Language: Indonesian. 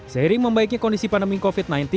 seiring membaiknya kondisi pandemi covid sembilan belas